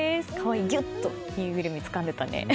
ギュッ！とぬいぐるみ、つかんでたね。